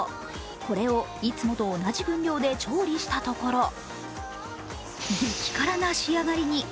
これをいつもと同じ分量で調理したところ、激辛な仕上がりに。